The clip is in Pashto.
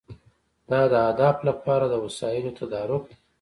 دا د اهدافو لپاره د وسایلو تدارک دی.